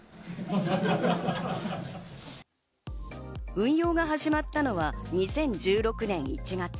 運用が始まったのが２０１６年１月。